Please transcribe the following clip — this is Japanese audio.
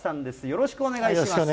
よろしくお願いします。